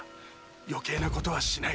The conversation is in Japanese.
余計なことはしない